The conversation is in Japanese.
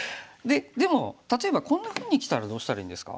でも例えばこんなふうにきたらどうしたらいいんですか？